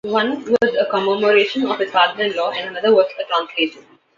One was a commemoration of his father-in-law and another was a translation.